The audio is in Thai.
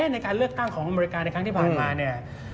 ในการเลือกตั้งของอเมริกาในครั้งที่ผ่านมาเนี่ย